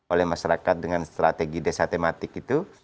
oleh masyarakat dengan strategi desa tematik itu